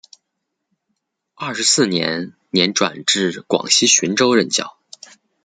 二十四年年转至广西浔州任教。